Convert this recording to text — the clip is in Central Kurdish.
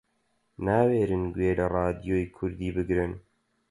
ناوێرن گوێ لە ڕادیۆی کوردی بگرن